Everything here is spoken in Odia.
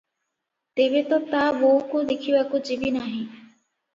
ତେବେ ତ ତା ବୋଉକୁ ଦେଖିବାକୁ ଯିବି ନାହିଁ ।